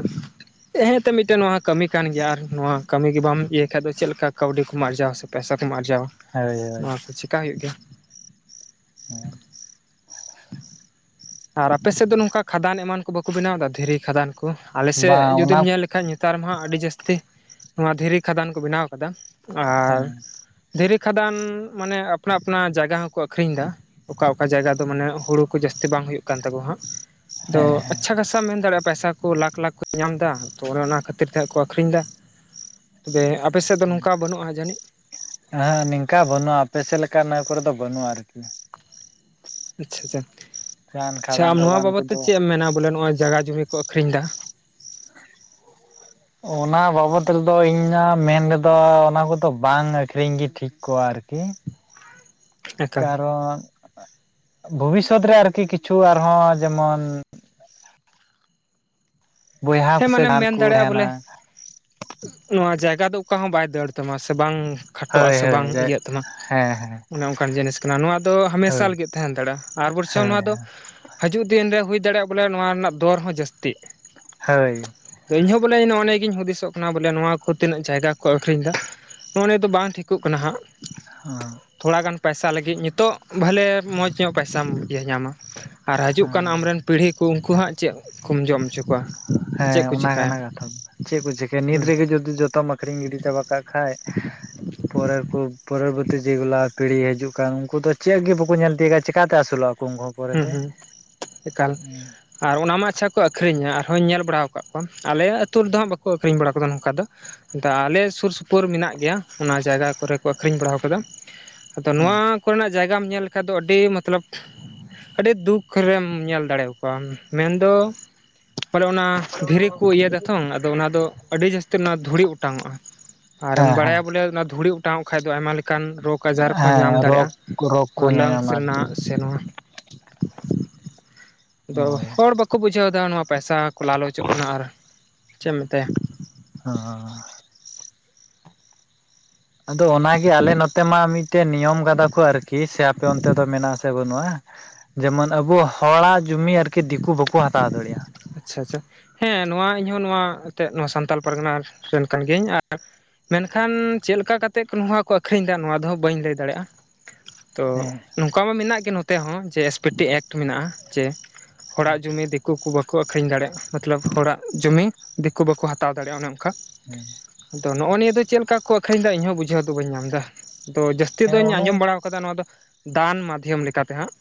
ᱦᱮᱸ ᱮᱛᱮᱜ ᱢᱤᱫᱴᱮᱱ ᱱᱚᱣᱟ ᱦᱚᱸ ᱠᱟᱹᱢᱤ ᱠᱟᱱ ᱜᱮᱭᱟ, ᱟᱨ ᱱᱚᱣᱟ ᱠᱟᱹᱢᱤ ᱜᱮ ᱵᱟᱢ ᱤᱭᱟᱹᱭ ᱠᱷᱟᱡ ᱫᱚ ᱪᱮᱫ ᱞᱮᱠᱟ ᱠᱟᱹᱣᱰᱤ ᱠᱚᱢ ᱟᱨᱡᱟᱣ ᱥᱮ ᱯᱚᱭᱥᱟᱠᱢ ᱟᱨᱡᱟᱣᱟ, ᱦᱳᱭ ᱦᱳᱭ ᱱᱚᱣᱟ ᱠᱚ ᱪᱮᱠᱟ ᱦᱩᱭᱩᱜ ᱜᱮᱭᱟ᱾ ᱦᱮᱸ ᱟᱨ ᱟᱯᱮ ᱥᱮᱫ ᱫᱚ ᱱᱚᱝᱠᱟ ᱠᱷᱟᱫᱟᱱ ᱮᱢᱟᱱ ᱠᱚ ᱵᱟᱠᱚ ᱵᱮᱱᱟᱣᱫᱟ ᱫᱷᱤᱨᱤ ᱠᱷᱟᱫᱟᱱ ᱠᱚ? ᱟᱞᱮᱥᱮᱜ ᱵᱟᱝ ᱚᱱᱟ ᱡᱩᱫᱤᱢ ᱧᱮᱞ ᱠᱷᱟᱡ ᱧᱮᱛᱟᱨ ᱢᱟ ᱦᱟᱸᱜ ᱟᱹᱰᱤ ᱡᱟᱹᱥᱛᱤ ᱱᱚᱣᱟ ᱫᱷᱤᱨᱤ ᱠᱷᱟᱫᱟᱱ ᱠᱚ ᱵᱮᱱᱟᱣ ᱠᱟᱫᱟ ᱦᱮᱸ ᱟᱨ ᱫᱷᱤᱨᱤ ᱠᱷᱟᱫᱟᱱ ᱢᱟᱱᱮ ᱟᱯᱱᱟ ᱟᱯᱱᱟ ᱡᱟᱭᱜᱟ ᱦᱚᱸᱠᱚ ᱟᱹᱠᱷᱨᱤᱧ ᱫᱟ, ᱚᱠᱟ ᱚᱠᱟ ᱡᱟᱭᱜᱟ ᱫᱚ ᱢᱟᱱᱮ ᱦᱩᱲᱩ ᱠᱩ ᱡᱟᱥᱛᱤ ᱵᱟᱝ ᱦᱩᱭᱩᱜ ᱠᱟᱱ ᱛᱟᱠᱚ ᱦᱟᱸᱜ ᱟᱫᱚ ᱦᱮᱸ ᱦᱮᱸ ᱟᱪᱪᱷᱟ ᱜᱟᱥᱟᱢ ᱢᱮᱱᱟᱲᱮᱜᱼᱟ ᱯᱟᱭᱥᱟ ᱠᱚ ᱞᱟᱠᱷ ᱞᱟᱠᱷ ᱠᱚ ᱧᱟᱢᱫᱟ ᱛᱚ ᱚᱱᱮ ᱚᱱᱟ ᱠᱷᱟᱹᱛᱤᱨ ᱛᱮ ᱦᱟᱸᱜ ᱠᱚ ᱟᱠᱷᱨᱤᱧ ᱫᱟ᱾ ᱛᱚᱵᱮ ᱟᱯᱮ ᱥᱮᱫ ᱫᱚ ᱱᱚᱝᱠᱟ ᱵᱟᱹᱱᱩᱜᱼᱟ ᱡᱟᱹᱱᱤᱡ? ᱟᱹᱦᱟᱸᱜ ᱱᱤᱝᱠᱟ ᱵᱟᱹᱱᱩᱜᱼᱟ, ᱟᱯᱮ ᱥᱮᱜ ᱞᱮᱠᱟ ᱱᱟᱹ ᱠᱚᱨᱮ ᱫᱚ ᱵᱟᱹᱱᱩᱜᱼᱟ ᱟᱨᱠᱤ᱾ ᱟᱪᱪᱷᱟ ᱟᱪᱪᱷᱟ ᱡᱟᱦᱟᱱ ᱟᱪᱪᱷᱟ ᱠᱷᱟᱫᱟᱱ ᱟᱢ ᱱᱚᱣᱟ ᱴᱟᱫᱟᱱ ᱵᱟᱵᱚᱛ ᱛᱮ ᱠᱚᱫᱚ ᱪᱮᱜ ᱮᱢ ᱢᱮᱱᱟ ᱵᱚᱞᱮ ᱱᱚᱜᱼᱚᱭ ᱡᱟᱜᱟ ᱡᱚᱢᱤ ᱠᱚ ᱟᱹᱠᱷᱨᱤᱧ ᱫᱟ? ᱚᱱᱟ ᱵᱟᱵᱚᱛ ᱨᱮᱫᱚ ᱤᱧᱟᱹᱜ ᱢᱮᱱ ᱨᱮᱫᱚ ᱚᱱᱟ ᱠᱚᱫᱚ ᱵᱟᱝ ᱟᱹᱠᱷᱨᱤᱧᱜᱤ ᱴᱷᱤᱠ ᱠᱚᱜᱼᱟ ᱟᱨᱠᱤ᱾ ᱮᱠᱟᱞ ᱠᱟᱨᱚᱱ ᱵᱷᱚᱵᱤᱥᱚᱛ ᱨᱮ ᱟᱨᱠᱤ ᱠᱤᱪᱷᱩ ᱟᱨᱦᱚᱸ ᱡᱮᱢᱚᱱ ᱵᱚᱭᱦᱟ ᱦᱮᱸ ᱠᱚ ᱥᱮ ᱢᱟᱱᱮᱢ ᱡᱟᱦᱟᱱ ᱢᱮᱱ ᱠᱚ ᱫᱟᱲᱮᱜᱼᱟ ᱵᱚᱞᱮ ᱛᱟᱦᱮᱱᱟ ᱱᱚᱣᱟ ᱡᱟᱭᱜᱟ ᱫᱚ ᱚᱠᱟ ᱦᱚᱸ ᱵᱟᱭ ᱫᱟᱹᱲ ᱛᱟᱢᱟ ᱥᱮ ᱵᱟᱝ ᱠᱷᱟᱴᱚᱜᱼᱟ ᱦᱳᱭ ᱥᱮ ᱦᱳᱭ ᱵᱟᱝ ᱤᱭᱟᱹᱜ ᱛᱟᱢᱟ ᱦᱮᱸ ᱦᱮᱸ ᱚᱱᱮ ᱚᱱᱠᱟᱱ ᱡᱤᱱᱤᱥ ᱠᱟᱱᱟ ᱱᱚᱣᱟ ᱫᱚ ᱦᱟᱢᱮᱥᱟ ᱦᱳᱭ ᱞᱟᱹᱜᱤᱫ ᱛᱟᱦᱮ ᱫᱟᱲᱮᱜᱼᱟ, ᱟᱨ ᱵᱚᱨᱪᱚᱝ ᱦᱳᱭ ᱱᱚᱣᱟ ᱫᱚ ᱦᱟᱹᱡᱩᱜ ᱫᱤᱱ ᱨᱮ ᱦᱩᱭ ᱫᱟᱲᱮᱜᱼᱟ ᱵᱚᱞᱮ ᱱᱚᱣᱟ ᱨᱮᱱᱟᱜ ᱫᱚᱨ ᱦᱚᱸ ᱡᱟᱹᱥᱛᱤᱜ᱾ ᱦᱟᱹᱭ ᱫᱚ ᱤᱧ ᱦᱚᱸ ᱵᱚᱞᱮ ᱱᱚᱜᱼᱱᱤᱭᱟᱹ ᱜᱤᱧ ᱦᱩᱫᱤᱥᱚᱜ ᱠᱟᱱᱟ ᱵᱚᱞᱮ ᱱᱚᱣᱟ ᱠᱚ ᱛᱤᱱᱟᱹᱜ ᱡᱟᱭᱜᱟ ᱠᱚ ᱟᱠᱷᱨᱤᱧᱫᱟ᱾ ᱱᱚᱜᱼᱚ ᱱᱤᱭᱟᱹ ᱫᱚ ᱵᱟᱝ ᱴᱷᱤᱠᱚᱜ ᱠᱟᱱᱟ ᱦᱟᱸᱜ᱾ ᱦᱚᱸ ᱛᱷᱚᱲᱟ ᱜᱟᱱ ᱯᱚᱭᱥᱟ ᱞᱟᱹᱜᱤᱜ ᱱᱤᱛᱚᱜ ᱵᱷᱟᱞᱮ ᱢᱚᱸᱡᱽ ᱧᱚᱜ ᱯᱚᱭᱥᱟᱢ ᱤᱭᱟᱹ ᱧᱟᱢᱟ᱾ ᱟᱨ ᱦᱟᱹᱡᱩᱜ ᱠᱟᱱ ᱟᱢ ᱨᱮᱱ ᱯᱤᱲᱦᱤ ᱠᱚ ᱩᱝᱠᱩ ᱦᱟᱸᱜ ᱪᱮᱜ ᱠᱚᱢ ᱡᱚᱢ ᱦᱚᱪᱚ ᱠᱚᱣᱟ? ᱥᱮ ᱪᱮᱫ ᱦᱮᱸ ᱠᱚ ᱚᱱᱟ ᱪᱤᱠᱟᱹᱭᱟ ᱠᱟᱱᱟ ᱠᱟᱛᱷᱟ ᱫᱚ ᱪᱮᱜ ᱠᱚ ᱪᱤᱠᱟᱹᱭᱟ ᱱᱤᱛ ᱦᱩᱸ ᱨᱮᱜᱮ ᱡᱚᱫᱤ ᱡᱚᱛᱚᱢ ᱟᱠᱷᱨᱤᱧ ᱜᱤᱰᱤ ᱪᱟᱵᱟ ᱠᱟᱜ ᱠᱷᱟᱡ᱾ ᱯᱚᱨᱮᱨ ᱠᱚ ᱯᱚᱨᱚᱵᱚᱨᱛᱤ ᱡᱮᱜᱩᱞᱟ ᱯᱤᱲᱦᱤ ᱦᱤᱡᱩᱜ ᱠᱟᱱ ᱩᱝᱠᱩ ᱫᱚ ᱪᱮᱜ ᱜᱮ ᱵᱟᱠᱚ ᱧᱮᱞ ᱛᱤᱭᱟᱹᱜᱟ ᱪᱮᱠᱟᱛᱮ ᱟᱹᱥᱩᱞᱚᱜᱼᱟ ᱩᱝᱠᱩ ᱦᱚᱸ ᱦᱮᱸ ᱯᱚᱨᱮᱛᱮ ᱦᱮᱸ ᱮᱠᱟᱞ ᱟᱨ ᱚᱱᱟ ᱢᱟ ᱟᱪᱪᱷᱟ ᱠᱚ ᱟᱹᱠᱷᱨᱤᱧᱟ ᱟᱨᱦᱚᱧ ᱧᱮᱞ ᱵᱟᱲᱟᱣ ᱠᱟᱜ ᱠᱚᱣᱟ ᱟᱞᱮᱭᱟᱜ ᱟᱹᱛᱩ ᱨᱮᱫᱚ ᱦᱟᱸᱜ ᱵᱟᱠᱚ ᱟᱹᱠᱷᱨᱤᱧ ᱵᱟᱲᱟᱣ ᱠᱟᱫᱟ ᱱᱚᱝᱠᱟ ᱫᱚ᱾ ᱫᱟ ᱟᱞᱮ ᱥᱩᱨ ᱥᱩᱯᱩᱨ ᱢᱮᱱᱟᱜ ᱜᱮᱭᱟ ᱚᱱᱟ ᱡᱟᱭᱜᱟ ᱠᱚᱨᱮ ᱠᱚ ᱟᱹᱠᱷᱨᱤᱧ ᱵᱟᱲᱟᱣ ᱠᱟᱫᱟ᱾ ᱟᱫᱚ ᱦᱮᱸ ᱱᱚᱣᱟ ᱠᱚᱨᱮᱱᱟᱜ ᱡᱟᱭᱜᱟᱢ ᱧᱮᱞ ᱞᱮᱠᱷᱟᱡ ᱫᱚ ᱟᱹᱰᱤ ᱢᱟᱛᱞᱟᱵ ᱟᱹᱰᱤ ᱫᱩᱠ ᱨᱮᱢ ᱧᱮᱞ ᱫᱟᱲᱮᱣ ᱠᱚᱣᱟᱢ ᱢᱮᱱᱫᱚ ᱵᱚᱞᱮ ᱚᱱᱟ ᱫᱷᱤᱨᱤ ᱠᱚ ᱤᱭᱟᱹ ᱫᱟᱛᱚ ᱟᱫᱚ ᱚᱱᱟ ᱫᱚ ᱟᱹᱰᱤ ᱡᱟᱹᱥᱛᱤ ᱚᱱᱟ ᱫᱷᱩᱲᱤ ᱚᱴᱟᱝᱚᱜᱼᱟ᱾ ᱟᱨᱮᱢ ᱦᱮᱸ ᱦᱮᱸ ᱵᱟᱲᱟᱭᱟ ᱵᱚᱞᱮ ᱚᱱᱟ ᱫᱷᱩᱲᱤ ᱚᱴᱟᱝᱚᱜ ᱠᱷᱟᱱ ᱫᱚ ᱟᱭᱢᱟ ᱞᱮᱠᱟᱱ ᱨᱳᱜᱽᱼᱼ ᱨᱳᱠᱟ ᱟᱡᱟᱨ ᱠᱚᱦᱚᱸ ᱧᱟᱢ ᱦᱮᱸ ᱨᱳᱜᱽ ᱫᱟᱲᱮᱭᱟᱜᱼᱟ, ᱨᱳᱜᱽ ᱠᱚ ᱱᱚᱣᱟ ᱞᱚᱝᱥ ᱧᱟᱧᱟᱢᱟ ᱨᱮᱱᱟᱜ ᱟᱨᱠᱤ ᱥᱮ ᱱᱚᱣᱟ ᱟᱫᱚ ᱦᱳᱭ ᱦᱚᱲ ᱵᱟᱠᱚ ᱵᱩᱡᱷᱟᱹᱣ ᱫᱟ ᱱᱚᱣᱟ ᱯᱚᱭᱥᱟ ᱠᱚ ᱞᱟᱞᱚᱪᱚᱜ ᱠᱟᱱᱟ ᱟᱨ ᱪᱮᱫ ᱮᱢ ᱢᱮᱛᱟᱭᱟ᱾ ᱦᱚᱸ [unintelligible] ᱟᱫᱚ ᱚᱱᱟᱜᱮ ᱟᱞᱮ ᱱᱚᱛᱮ ᱢᱟ ᱢᱤᱫᱴᱮᱱ ᱱᱤᱭᱚᱢ ᱠᱟᱫᱟ ᱠᱚ ᱟᱨᱠᱤ ᱥᱮ ᱟᱯᱮ ᱚᱱᱛᱮ ᱫᱚ ᱢᱮᱱᱟᱜᱼᱟ ᱥᱮ ᱵᱟᱹᱱᱩᱜᱼᱟ ᱡᱮᱢᱚᱱ ᱟᱵᱚ ᱦᱚ ᱲᱟᱜ ᱡᱩᱢᱤ ᱟᱨᱠᱤ ᱫᱤᱠᱩ ᱵᱟᱠᱚ ᱦᱟᱛᱟᱣ ᱫᱟᱲᱤᱭᱟᱜᱼᱟ᱾ ᱟᱪᱪᱷᱟ ᱟᱪᱪᱷᱟ ᱦᱮᱸ ᱱᱚᱣᱟ ᱤᱧᱦᱚ ᱱᱚᱣᱟ ᱮᱱᱛᱮ ᱱᱚᱣᱟ ᱥᱟᱱᱛᱟᱞ ᱯᱟᱨᱜᱟᱱᱟ ᱨᱮᱱ ᱠᱟᱱ ᱜᱤᱭᱟᱹᱧ ᱟᱨᱼᱼ ᱢᱮᱱᱠᱷᱟᱱ ᱪᱮᱫ ᱞᱮᱠᱟᱛᱮᱫ ᱱᱚᱣᱟ ᱠᱚ ᱟᱹᱠᱷᱨᱤᱧ ᱫᱟ ᱱᱚᱣᱟ ᱫᱚᱦᱚ ᱵᱟᱹᱧ ᱞᱟᱹᱭ ᱫᱟᱲᱮᱭᱟᱜᱼᱟ᱾ ᱛᱚ ᱦᱮᱸ ᱱᱚᱝᱠᱟ ᱢᱟ ᱢᱮᱱᱟᱜ ᱜᱮ ᱱᱚᱛᱮ ᱦᱚᱸ ᱡᱮ ᱮᱥ ᱯᱤ ᱴᱤ ᱮᱴ ᱢᱮᱱᱟᱜᱼᱟ ᱡᱮᱼᱼ ᱦᱚᱲᱟᱜ ᱡᱩᱢᱤ ᱫᱤᱠᱩ ᱠᱚ ᱵᱟᱠᱷᱼᱼ ᱠᱚ ᱟᱹᱷᱨᱤᱧ ᱫᱟᱲᱮᱭᱟᱜ ᱢᱚᱛᱞᱚᱵ ᱦᱚᱲᱟᱜ ᱡᱚᱢᱤ ᱫᱤᱠᱩ ᱵᱟᱠᱚ ᱦᱟᱛᱟᱣ ᱫᱟᱲᱮᱭᱟᱜᱼᱟ ᱚᱱᱮ ᱚᱱᱠᱟ᱾ ᱦᱮᱸ ᱟᱫᱚ ᱱᱚᱜᱼᱚᱭ ᱱᱤᱭᱟᱹ ᱫᱚ ᱪᱮᱫᱠᱟ ᱠᱚ ᱟᱠᱷᱨᱤᱧ ᱮᱫᱟ ᱤᱧᱦᱚᱸ ᱵᱩᱡᱷᱟᱹᱣ ᱫᱚ ᱵᱟᱹᱧᱟᱢ ᱮᱫᱟ ᱟᱫᱚ ᱡᱟᱹᱥᱛᱤ ᱦᱮᱸ ᱫᱚᱧ ᱚᱱᱚ ᱟᱸᱡᱚᱢ ᱵᱟᱲᱟ ᱟᱠᱟᱫᱟ᱾ ᱱᱚᱣᱟ ᱫᱚ ᱫᱟᱱ ᱢᱟᱫᱽᱫᱷᱚᱢ ᱞᱮᱠᱟᱛᱮ ᱦᱟᱸᱜ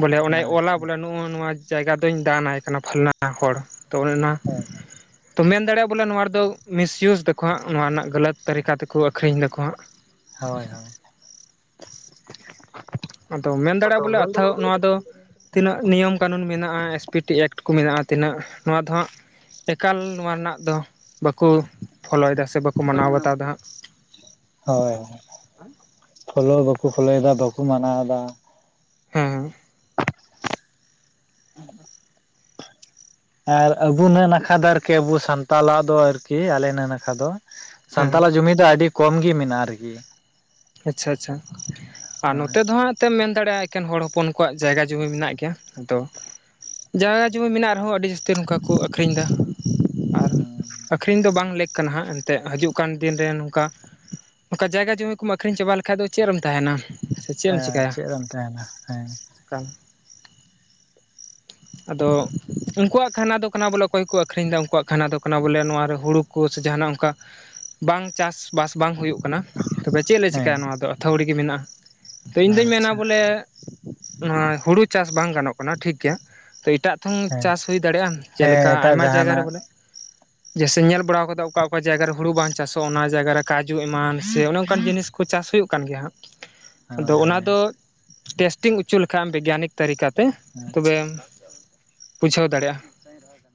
ᱵᱚᱞᱮ ᱚᱱᱮ ᱚᱞᱟ ᱟᱪᱪᱷᱟ ᱵᱚᱞᱮ ᱱᱚᱜᱼᱚ ᱱᱚᱣᱟᱼᱼ ᱡᱟᱭᱜᱟ ᱫᱟᱱ ᱟᱭ ᱠᱟᱱᱟ ᱯᱷᱟᱞᱱᱟ ᱦᱚᱲ ᱛᱚ ᱚᱱᱮ ᱚᱱᱟ ᱦᱮᱸ ᱛᱚ ᱢᱮᱱ ᱫᱟᱲᱮᱭᱟᱜᱼᱟ ᱵᱚᱞᱮ ᱱᱚᱣᱟ ᱨᱮ ᱫᱚ ᱢᱤᱥᱤᱭᱩᱥ ᱮᱫᱟᱠᱚ ᱦᱟᱸ ᱱᱚᱣᱟ ᱨᱮᱱᱟᱜ ᱜᱟᱹᱞᱚᱛ ᱛᱟᱹᱨᱤᱠᱟ ᱛᱮᱠᱚ ᱟᱠᱷᱨᱤᱧ ᱮᱟᱠᱚ ᱦᱟᱜᱼᱼ ᱦᱳᱭ ᱦᱳᱭ [unintelligible] ᱟᱫᱚ ᱢᱮᱱ ᱫᱟᱲᱮᱭᱟᱜᱼᱟ ᱵᱚᱞᱮ ᱟᱛᱟ ᱱᱚᱣᱟ ᱫᱚᱼᱼ ᱛᱤᱱᱟᱹᱜ ᱱᱤᱭᱚᱢ ᱠᱟᱱᱩᱱ ᱢᱮᱱᱟᱜᱼᱟ ᱮᱥ ᱯᱤ ᱴᱤ ᱮᱰ ᱠᱚ ᱢᱮᱱᱟᱜᱼᱟ ᱛᱤᱱᱟᱹᱜ ᱱᱚᱣᱟ ᱫᱚ ᱦᱟᱸᱜ᱾ ᱮᱠᱟᱞ ᱱᱚᱣᱟ ᱨᱮᱱᱟᱜ ᱫᱚ ᱵᱟᱠᱚ ᱯᱷᱳᱞᱳᱭᱮᱫᱟ ᱥᱮ ᱵᱟᱠᱚ ᱢᱟᱱᱟᱣ ᱵᱟᱛᱟᱣ ᱮᱫᱟ ᱦᱟᱸᱜ ᱦᱳᱭ ᱦᱳᱭ ᱯᱷᱚᱞᱳ ᱵᱟᱠᱚ ᱯᱷᱳᱚᱞᱳᱭᱮᱫᱟ ᱵᱟᱠᱚ ᱢᱟᱱᱟᱣ ᱮᱫᱟ᱾ ᱦᱮᱸᱼᱼ ᱦ [inaudible] ᱟᱨ ᱟᱵᱩ ᱱᱟᱠᱷᱟ ᱫᱚ ᱟᱨᱠᱤ ᱟᱵᱚ ᱥᱟᱱᱛᱟᱞᱟᱜ ᱫᱚ ᱟᱨᱠᱤ ᱟᱞᱮ ᱱᱟᱠᱷᱟ ᱫᱚᱼᱼ ᱦᱮᱸ ᱥᱟᱱᱛᱟᱞᱟᱜ ᱡᱚᱢᱤ ᱫᱚ ᱟᱹᱰᱤ ᱠᱚᱢ ᱜᱮ ᱢᱮᱱᱟᱜᱼᱟ ᱟᱨᱠᱤ ᱟᱪᱪᱷᱟ ᱟᱪᱪᱷᱟ ᱟᱨ ᱦᱳᱭ ᱱᱚᱛᱮ ᱫᱚ ᱦᱟᱸᱜᱼᱼ ᱛᱮᱢ ᱢᱮᱱ ᱫᱟᱲᱮᱭᱟᱜᱼᱟ ᱮᱠᱮᱱ ᱦᱚᱲ ᱦᱚᱯᱚᱱ ᱠᱚᱣᱟᱜ ᱡᱟᱭᱜᱟ ᱡᱩᱢᱤ ᱢᱮᱱᱟᱜ ᱜᱮᱭᱟ ᱟᱫᱚᱼᱼ ᱡᱟᱭᱜᱟ ᱡᱚᱢᱚᱱ ᱢᱮᱱᱟᱜ ᱨᱮᱦᱚᱸ ᱟᱹᱰᱤ ᱡᱟᱹᱥᱛᱤ ᱱᱚᱝᱠᱟ ᱠᱚ ᱟᱠᱷᱨᱤᱧ ᱫᱟ᱾ ᱦᱩᱸ ᱟᱠᱷᱨᱤᱧ ᱫᱚ ᱵᱟᱝ ᱞᱮᱠ ᱠᱟᱱᱟ ᱦᱟᱸᱜ ᱮᱱᱛᱮ ᱦᱤᱡᱩᱜ ᱠᱟᱱ ᱫᱤᱱ ᱨᱮ ᱱᱚᱝᱠᱟ ᱠᱟ ᱡᱟᱭᱜᱟ ᱡᱩᱢᱤᱼᱼ ᱠᱩᱢ ᱟᱹᱠᱷᱨᱤᱧ ᱪᱟᱵᱟ ᱞᱮᱠᱷᱟᱡ ᱫᱚ ᱪᱮᱫ ᱨᱮᱢ ᱛᱟᱦᱮᱱᱟ᱾ ᱥᱮ ᱪᱮᱫ ᱦᱮ ᱪᱮᱫ ᱨᱮᱢ ᱛᱟᱦᱮᱱᱟ ᱦᱮᱸᱼᱼ ᱠᱟᱹᱼᱼ ᱟᱫᱚ ᱩᱱᱠᱩᱣᱟᱜ ᱠᱷᱟᱱᱟ ᱫᱚ ᱠᱟᱱᱟ ᱵᱚᱞᱮ ᱚᱠᱚᱭ ᱠᱚ ᱟᱹᱷᱨᱤᱧ ᱮᱫᱟ ᱩᱱᱠᱩᱣᱟᱜ ᱠᱷᱟᱱᱟ ᱫᱚ ᱠᱟᱱᱟ ᱵᱚᱞᱮ ᱱᱚᱣᱟᱨᱮ ᱦᱩᱲᱳᱼᱼ ᱠᱚ ᱥᱮ ᱡᱟᱦᱟᱱᱟᱜ ᱚᱱᱠᱟ ᱵᱟᱝ ᱪᱟᱥ ᱵᱟᱥ ᱵᱟᱝ ᱦᱩᱭᱩᱜ ᱠᱟᱱᱟ᱾ ᱛᱚᱵᱮ ᱪᱮᱫ ᱞᱮ ᱦᱮᱸ ᱪᱤᱠᱟᱹᱭᱟ ᱱᱚᱣᱟ ᱫᱚ ᱟᱹᱛᱷᱲᱤ ᱜᱮ ᱢᱮᱱᱟᱜᱼᱟ᱾ ᱤᱧ ᱫᱩᱧ ᱢᱮᱱᱟ ᱟᱪᱪᱷᱟ ᱵᱚᱞᱮ ᱱᱚᱶᱟ ᱦᱩᱲᱩ ᱪᱟᱥ ᱵᱟᱝ ᱜᱟᱱᱚᱜ ᱠᱟᱱᱟ ᱴᱷᱤᱠ ᱜᱮᱭᱟ᱾ ᱛ ᱮᱴᱟᱜ ᱛᱮᱝ ᱦᱮᱸ ᱪᱟᱥ ᱦᱩᱭ ᱫᱟᱲᱮᱭᱟᱜᱼᱟ ᱦᱮᱸ ᱡᱮᱞᱮᱠᱟ ᱮᱴᱟᱜ ᱟᱭᱢᱟ ᱡᱟᱭᱜᱟ ᱨᱮᱼᱼ ᱡᱟᱦᱟᱱᱟᱜ ᱡᱮᱭᱮᱥᱮ ᱧᱮᱞ ᱵᱟᱲᱟ ᱠᱟᱫᱟ ᱚᱠᱟ ᱚᱠᱟ ᱡᱟᱭᱜᱟ ᱨᱮ ᱦᱩᱲᱩ ᱵᱟᱝ ᱪᱟᱥᱚᱜᱼᱟ ᱚᱱᱟ ᱡᱟᱭᱜᱟ ᱨᱮ ᱠᱟᱡᱩ ᱮᱢᱟᱱ ᱥᱮ ᱚᱱᱮ ᱚᱱᱠᱟᱱ ᱡᱤᱱᱤᱥᱼᱼ ᱠᱚ ᱪᱟᱥ ᱦᱩᱭᱩᱜ ᱠᱟᱱ ᱜᱮᱭᱟ ᱦᱟᱸᱜ [inaudible] ᱫᱚᱜᱞᱟ ᱦᱳᱭ ᱫᱚ ᱴᱮᱥᱴᱤᱝ ᱦᱚᱪᱚ ᱞᱮᱠᱷᱟᱱᱡ ᱵᱤᱜᱜᱟᱱᱤᱠ ᱛᱟᱹᱨᱤᱠᱟᱛᱮ ᱟᱪᱪᱷᱟ ᱛᱚᱵᱮᱼᱼ ᱵᱩᱡᱷᱟᱹᱣ ᱫᱟᱲᱮᱭᱟᱜᱼᱟ᱾